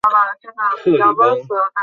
克里翁。